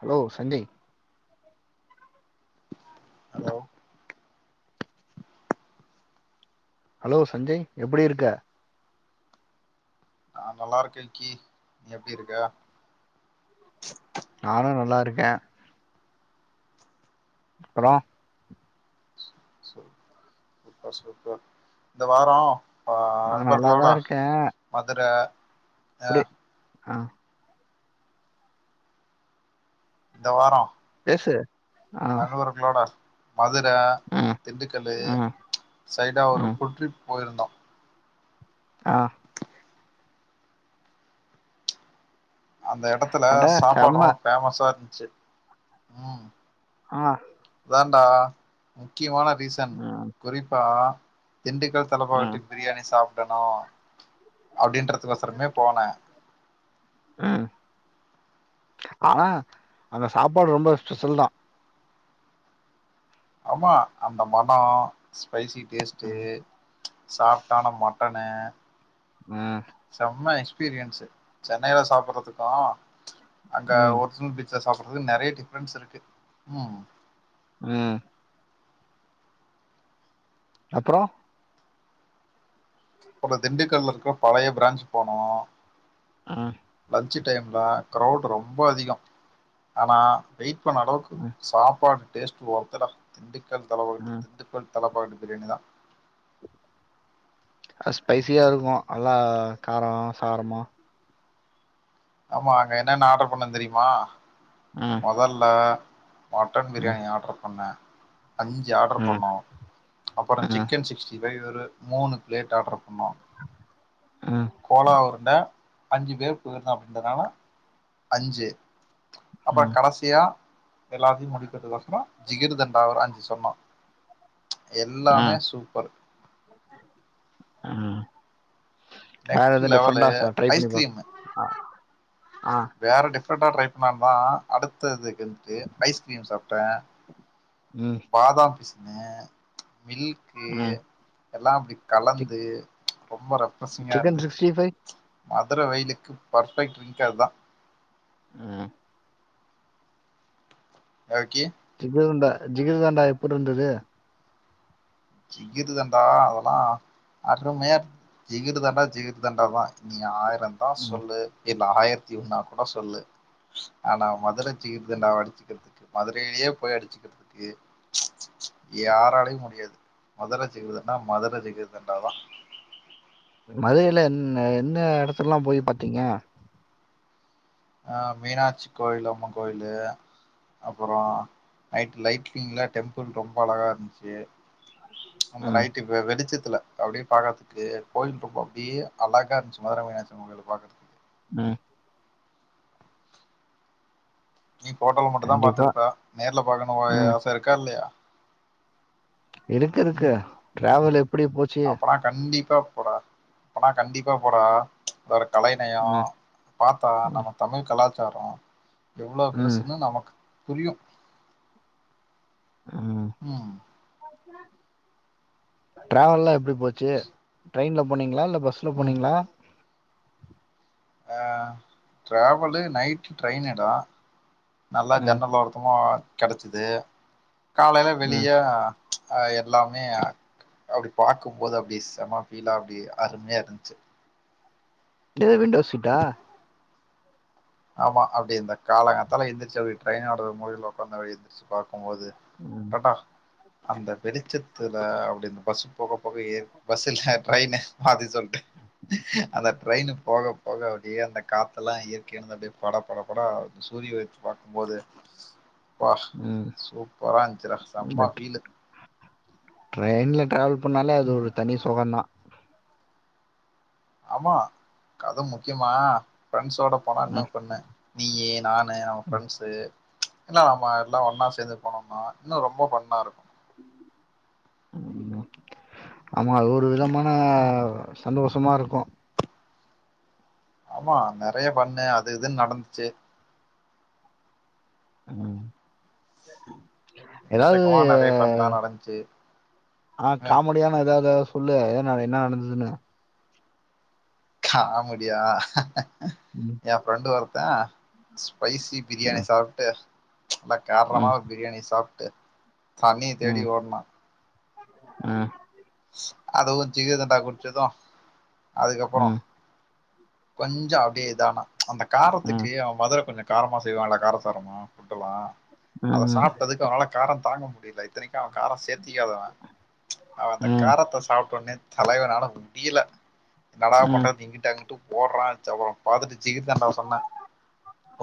Hello Sanjay hello hello Sanjay எப்படி இருக்க நா நல்லாருக்கே கி நீ எப்டி இருக்க நானு நல்லா இருக்கே அப்பரோ சூப்பர் சூப்பர் இந்த வாரோ வா நா நல்லாதா நண்பர்களோட மதுர அ ப்டி அ இந்த வாரோ பேசு ஆ [unintelligible] மதுர ம் திண்டுக்கலு ம் சைடா ஒரு ம் ஃபுல் ட்ரிப் போயிருந்தோ ஆ அந்த எடத்துல அட சாப்பாடு செம்ம ரொம்ப பேமஸா இருந்துச்சு உம் ஆ அதான்டா முக்கியமான ரீசன் ம் குறிப்பா திண்டுக்கல் ம் தலப்பாகட்டி பிரியாணி சாப்படணு அப்டின்றதுக்கொசரமே போனே ம் ஆனா அங்க சாப்பாடு ரொம்ப ஸ்பெஷல் தா ஆமா அந்த மணொ ஸ்பைசி டேஸ்ட்டு ம் சாஃப்ட்டான மட்டனு ம செம்ம எக்ஸ்பீரியன்ஸ்சு சென்னைல சாப்பறதுக்கு அங்க ம் ஒரிஜ்னல் ச்ல சாப்பிடுறதுக்கு நெறைய டிஃப்ரென்ஸ் இருக்கு ம் ம் அப்றோ அப் திண்டுக்கல்ல இருக்கற பழைய பிரான்ஞ்ச் போனோ அ லன்ச்சு டைம்லா க்ரௌட் ரொம்ப அதிகோ ஆனா வெயிட் பண்ண அளவுக்கு ம் சாப்பாடு டேஸ்ட்டு ஒர்த்துடா திண்டுக்கல் தலப்பாக்கட்டு ம் திண்டுக்கல் தலைப்பாக்கட்டு ப்ரியாணி தா அது ஸ்பைசியா இருக்கு நல்லா காரொ சாரமா ஆமா அங்க என்னன்ன ஆர்டர் பண்ண தெரியுமா ம் மொதல்ல மட்டன் ம் ப்ரியாணி ஆர்டர் பண்ணே அஞ்சு ஆர்டர் ம் பண்ணோ அப்புறொ ம் சிக்கன் சிக்ஸ்டி ஃபை ஒரு மூணு பிளேட் ஆர்டரு பண்ணோ ம் கோலா உருண்ட அஞ்சு பேர் போயிருந்தோ அப்டின்றதுனால அஞ்சு அப்பறம் ம் கடசியா எல்லாத்தையு முடிக்கறதுக் கொசரொ ஜிகிர்தண்டா ஒரு அஞ்சு சொன்னோ எல்லாமே சூப்பர் ஆ வேற நெக்ஸ்ட் ஏதும் லெவலு டிஃப்ரண்டா ச ட்ரை பண்ணி பாக் ஐஸ்கிரீமு அ ஆ வேற டிஃப்ரெண்ட்டா ட்ரை பண்ண தா அடுத்ததுக்கு வந்துட்டு ஐஸ்கிரீம் சாப்ட்டே ம் பாதாம் பிசினு மில்க்கு ம் எல்லா அப்டி சிக் கலந்து ரொம்ப ரெஃப்ரஸிங்கா சிக்கன் இருந்துச்சு சிக்ஸ்டி ஃபைவ் மதுர வெயிலுக்கு பர்ஃபெக்ட் ட்ரிங்க் அது தா ம் [unintelligible] ஜிகிதண்டா ஜிகிர்தண்டா எப்டி இருந்துது ஜிகிர்தண்டா அதெல்லா அருமையா இருந்துது ஜிகிர்தண்டா ஜிகிர்தண்டா தா நீ ஆயிரந்தா ம் சொல்லு இல்ல ஆயிரத்தி ஒன்னாக் கூட சொல்லு ஆனா மதுர ஜிகிர்தண்டாவ அடிச்சுக்கறதுக்கு மதுரையிலேயே போய் அடிச்சுக்கறதுக்கு யாராலையு முடியாது மதுர ஜிகிர்தண்டா மதுர ஜிகிர்தண்டா தா மதுரையில என் என்ன எடத்துலல்லா போய் பாத்தீங்க ஆ மீனாட்சி கோயில் அம்மங் கோயிலு அப்பறோ நைட்டு லைட்லிங்ல டெம்பிள் ரொம்ப அழகா இருந்துச்சு அந்த ம் நைட்டு வெ வெளிச்சத்தில அப்டியே பாக்கறதுக்கு கோயில் ரொம்ப அப்டியே அழகா இருந்துச்சு மதுர மீனாச்சி அம்மங் கோயிலு பாக்கறதுக்கு ம் நீ ஃபோட்டோல மட்டுந்தா கண்டிப்பா பாத்துருப்ப நேர்ல பாக்கணு ஒ ஏ ம் ஆச இருக்கா இல்லையா இருக்கு இருக்கு டிராவல் எப்டி போச் அப்பனா கண்டிப்பா போடா அப்பனா கண்டிப்பா போடா வர கலை நயோ ம் பாத்தா ம் நம்ம தமிழ் கலாச்சாரோ எவ்ளோ ம் பெருசுன்னு நமக்கு புரியு ம் ட்ராவல்லா எப்டி போச்சு ட்ரெயின்ல போனீங்களா இல்ல பஸ்ஸுல ம் போனீங்களா ஆ ட்ராவலு நைட்டு ட்ரெயின்னு டா நல்லா ம் ஜன்னலோரத்தமா கெடைச்சிது காலைல ம் வெளிய அ எல்லாமே அப்டி பாக்கும்போது அப்டி செம ஃபீலா அப்டி அருமையா இருந்துச்சு எது விண்டோ சீட்டா ஆமா அப்டி இந்த கால காத்தால எந்திருச்சு அப்டியே ட்ரான்னோட மூலைல உக்காந்து அப்டியே இந்த பாக்குமோது ம் டாடா அந்த வெளிச்சத்துல அப்டியே அந்த பஸ்ஸு போக போக ஏர் பஸ்ஸுல்ல ட்ரெயின்னு மாத்தி சொல்ட்ட அந்த ட்ரெயின்னு போக போக அப்டியே அந்த காத்தெல்லா இரு கேருந்து அப்டியே பட பட பட சூரிய வெளிச்ச பாக்குபோது ப்பா ம் சூப்பரா இருந்துச்சு டா இந்த செம்மா ஃபீலு ட்ரெயின்ல ட்ராவல் பண்ணாலே அது ம். ஒரு தனி சுகந்தா ஆமா கத முக்கியமா ஃப்ரெண்ட்ஸோட போனா இன்னு ம் ஃபண்ணு நீயி நானு நம்ம ஃப்ரெண்ட்ஸு இல்ல நம்ம எல்லா ஒண்ணா சேந்து போனோம்னா இன்னு ரொம்ப ஃபண்ணா இருக்கு ஆமா ஆமா அது ஒரு விதமான ம் சந்தோஷமா இருக்கோ ஆமா நெறைய ஃபண்ணு அது இதுன்னு நடந்துச்சு ம் எதாவ்து எக்கச்சக்கமா நெறைய ஃபன்லா நடந்துச்சு ஆ அ காமெடியான எதாதாது சொல்லு ஏன்ன என்ன நடந்ததுன்னு காமெடியா ம் எ ஃப்ரெண்ட்டு ஒருத்த ஸ்பைசி பிரியாணி ம் சாப்ட்டு நல்லா காரமான ம் பிரியாணி சாப்ட்டு தண்ணிய தேடி ம் ஓட்னா ம் அதுவு ஜிகர்தண்டா குடிச்சது அதுக்கப்புறோ ம் கொஞ்சோ அப்டியே இதானா அந்த ம் காரத்துக்கு அவ மதுர கொஞ்சோ காரமா செய்வாங்ளா காரசாரமா ஃபுட்டெல்லா ம் அத ம் சாப்ட்டதுக்கு அவனால காரோ தாங்க முடில இத்தனைக்கு அவ காரோ சேத்திக்காதவ அவ அந்தக் ம் ரத்த சாப்ட்டோடனே தலைவனால முடியல என்னடா பண்றது இங்கிட்டு அங்கு து போடுறா அப்புறோ பாத்தட்டு ஜிகிர்தண்டாவ சொன்னே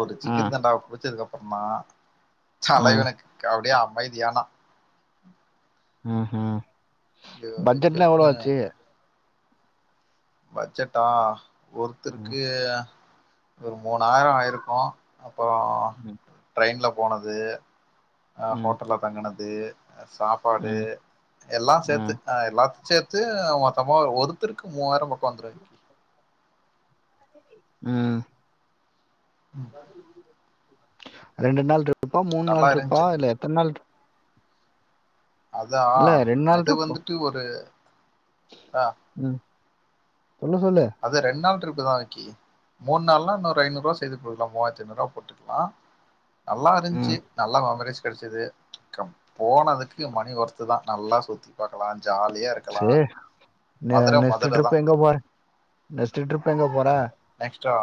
ஒரு ஜிகிர்தண்டாவ குடிச்சத்துக்கு அப்புறொதா ம் ம் தலைவன்னு க அப்டியே அமைதியானா ம் ஹும் ஐயோ ஐயோ பட்ஜெட்லா எவ்ளோ ஆச்சு பட்ஜெட்டா ம் ஒருத்தருக்கு ஒரு மூணாயிரோ ஆயிருக்கோ அப்புறோ ம் ட்ரெயின்ல போனது அ ம் ஹோட்டல்ல தங்குனது சாப்பாடு ம் எல்லா சேத்து ம் ஆ எல்லாத் சேத்து மொத்தமா ஒருத்தருக்கு மூவாயிரோ பக்கோ வந்துரோகி ம் ம் ரெண்டு நாள் ட்ரிப்பா மூணு நல்லா நாள் ட்ரிப்பா இருந்ச்சு இல்ல எத்தன நாள் ட்ரி அதா இல்ல ரெண்டு நாள் அது ட்ரிப்பா வந்துட்டு ஒரு அ ம் சொல்லு சொல்லு அது ரெண்ட் நாள் ட்ரிப்பு தா க்கி மூண் நாள்லா இன்னொரு ஐநூறு ரூவா செய்து போட்டுக்லா மூவாத்தி ஐநூறுவா நல்லா இருந்ச்சு ம் நல்லா மெமரஸ் கெடச்சது கம் போனதுக்கு மணி ஒர்த்து தான் நல்லா சுத்தி பாக்கலா ஜாலியா இருக்கலா மதுர மதுர தா தோ பா நெஸ்ட்டு ட்ரிப் எங்க போற நெக்ஸ்டா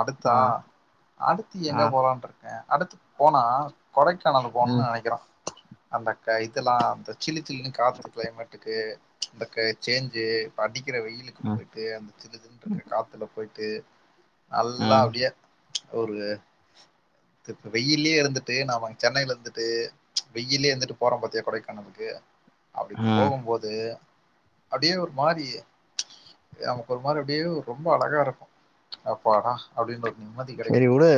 அடுத்தா ஆ அடுத்து ஆ எங்க போலான்ருக் எ அடுத்து போனா கொடைக்கானல் ம் போணுனு நெனைக்கிறே அந்த க இதுல்லா அந்த சிலி சிலுனு காத்து கிளைமேட்க்கு அந்த க சேஞ்சு அடிக்கிற வெயிலு ம் போயிட்டு அந்த சிலு சிலுன்ருக்க காத்துல போயிட்டு நல்லா ம் அப்டியே ஒரு இப்ப வெயிலயே இருந்துட்டு நாமங் சென்னையில இருந்துட்டு வெயிலயே இருந்துட்டு போறோ பாத்தியா கொடைக்கானலுக்கு அப்டி ம் போகும்போது அப்டியே ஒரு மாரி நமக்கு ஒரு மாரி அப்டியே ரொம்ப அழகா இருக்கு அப்பாடா அப்டின்னு ஒரு நிம்மதி செரி கெடைக்கு வுடு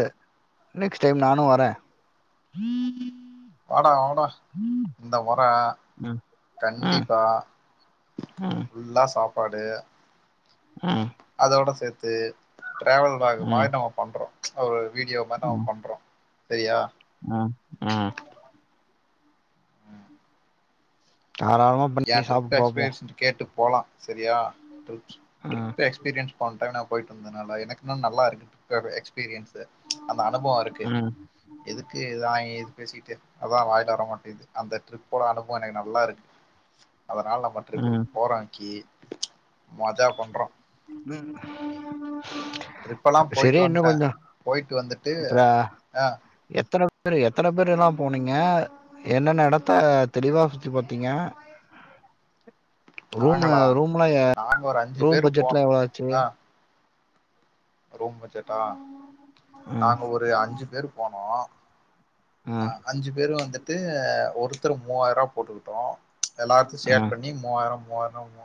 நெக்ஸ்ட் டைம் நானு வரே வாடா வாடா இந்த வொர ம் ம் கண்டிப்பா ம் ஃபுல்லா சாப்பாடு ம் அதோட சேத்து டிராவல் விலாக் ம் மாரி நம்ம பண்றோ அ ஒரு வீடியோ மாரி நாம பண்றோ செரியா ஆ ஆ தாராளமா பண்ணி என் ட்ரிப் சாப்ட்டு பாப்போ எக்ஸ்பீரியன்ஸ் கேட்டு போலா செரியா டிர்ப்ஸ் ம் டிரிப்பு எக்ஸ்பிரீயன்ஸ் பண்ற நா போய்ட்டு இருந்தனால எனக்குன்னு நல்லா இருக்கு எஸ்பீரியன்ஸு அந்த அனுபவோ இருக் ஓகே ம் எதுக்குங்க இதுலா வாங்கி பேசிட்டு அதா வாயில வரமாட்டேது அந்த ட்ரிப்போட அனுபவ எனக்கு நல்லா இருக்கு அதனால நம்ம ட்ரிப்பு ம் போறோக்கி மஜா பண்றோ ம் ட்ரிப்பெல்லா செரி போயிட்டு இன்னு வந்ட்டே கொஞ்சோ போயிட்டு வந்துட்டு ஆக்ச்சுலா ஆ எத்தன பேரு எத்தன பேர் எல்லா போனீங்க என்னென்ன எடத்த தெளிவா சுத்தி பாத்தீங்க ரூமு நாங்களா ரூம்லா நாங்க ஒரு அஞ்சி ரூம் பேரு பட்ஜெட்லா போனோ எவ்ளோ ஆச்சு ஆ ரூம் பஜட்டா ம் நாங்க ஒரு அஞ்சி பேர் போனோ அ ம் அஞ்சி பேரு வந்துட்டு ஒருத்தர் மூவாயிரூவா போட்டுக்கிட்டோ எல்லாத்தையு சேர் ம் ம் பண்ணி மூவாயிரோ மூவாயிரனா மோ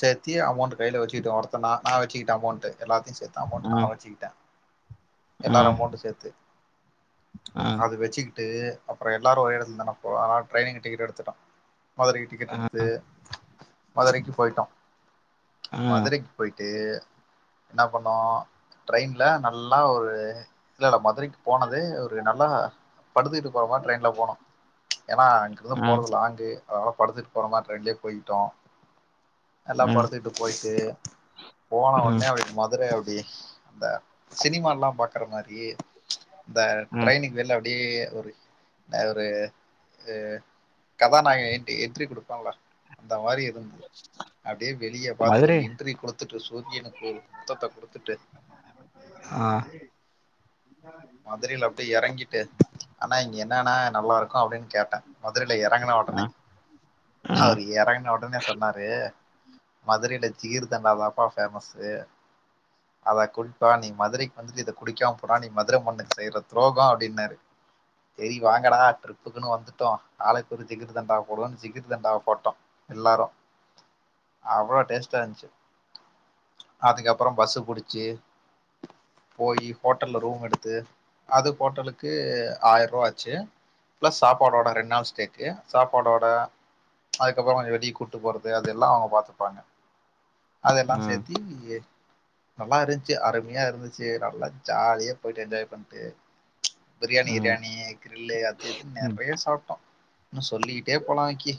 சேத்தி அமோன்ட் கையில வச்சிட்டு ஒருத்தனா நா வச்சிகிட்டா அமோன்ட்டு எல்லாத்தையு சேத் அமௌண்ட்டு நா வச்சிக்கிட்ட எல்லாரு அமௌண்ட் சேத்து ஆ சிகிட்டு அப்புறோ எல்லாரு ஒரே எடத்துல தான போறோ ட்ரெயினுக்கு டிக்கெட் எடுத்துட்டோ மதுரைக்கு டிக்கெட் ம் எடுத்து மதுரைக்கு போய்ட்டோ ம் மதுரைக் போயி்ட்டு என்னா பண்ணோ ட்ரெய்ன்ல் நல்லா ஒரு இல்ல இல்ல மதுரைக் போனதே ஒரு நல்லா படுத்துக்கிட்டு போற மாரி ட்ரெய்ன்ல போனோ ஏனா அங்கருந்து போறது லாங்கு அதனால படுத்துட்டு போற மாரி ட்ரெய்ன்லே போய்ட்டோ எல்லா ம் படுத்துக்கிட்டு போயிட்டு போன ம் ஒட்னே அப்டி மதுர அப்டி அந்த சினிமால்லா பாக்கற மாரி இந்த ம் டிரைனிங் வெல்ல அ ப்டி ஒரு என்னா ஒரு அ கதா நாயக என்ட்ரி என்ட்ரி குடுப்பால்ல அந்த மாரி வந்து அப்டியே வெளிய பாத்து ஒரு மதுரை என்ட்றி குடுத்துட்டு சூரியனுக்கு ஒரு முத்தத்த குடுத்துட்டு ஆ மதுரைல அப்டியே எறங்கிட்டு அண்ணா இங்க என்னன்னா நல்லா இருக்கு அப்டின் கேட்ட மதுரை எறங்கன ஒடனே ம் ம் அவரு ஒறங்கன ஒடனே சொன்னாரு மதுரைல ஜிகர்தண்டாதாப்பா பேமஸ்ஸு அத குள் பா நீங்க மதுரைக் வந்துட்டு இத குடிக்காம போனா நீ மத் ர மண்ணுக் செய்ற துரோகம் அப்படின்னாரு செரி வாங்கடா ட்ரிப் புக்குன்னு வந்துட்டோ ஆலுக்கொரு ஜிகிர் தண்டாவ போடுவோன் சிகிர் தண்டாவ போட்டோ எல்லாரு அவ்ளோ டேஸ்ட்டா இருந்துச்சு அதுக்கப்பறோ பஸ்ஸு புடிச்சி போய் ஹோட்டல்ல ரூம் எடுத் து அது ஹோட்டலுக்கு ஆய்ரூவா ஆச்சி ப்ளஸ் சாப்பாடோட ரெண்டு நாள் ஸ்டேக்கு சாப்பாடோட அதுக்கப்புறமா வெளிய கூப்ட்டு போறது அது எல்லா அவுங்க பாத்துப்பாங்க அதெல்லா ம் சேத்தி நல்லா இருந்துச்சு அருமையா இருந்துச்சு நல்லா ஜாலியா போய்ட்டு என்ஜாய் பண்ட்டு பிரியாணி கிரியாணி கிரில்லு அது இதுன் ம் நெறைய சாப்ட்டோ இன்னு சொல்லிக்கிட்டே போலா விக்கி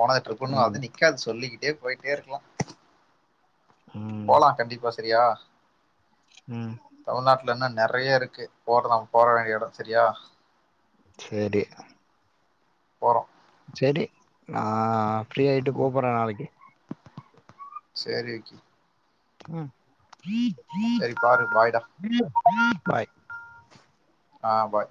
போனத ட்ரிப்ப்புன்னு ம் அது நிக்காது சொல்லிக்கிட்டே போயிட்டே இருக்கலா ம் போலா கண்டிப்பா சரியா ம் தமிழ்நாட்ல இன்னு நெறைய இருக்கு போற போற வேண்டிய எடோ சரியா செரி போறோ செரி நா ஃபிரீ ஆயிட்டு ம் கூப்புறே நாளக்கி சேரி விக்கி ம் சேரி பாரு பாய்டா பாய் ஆ பாய்